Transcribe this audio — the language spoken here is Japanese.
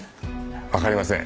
わかりません。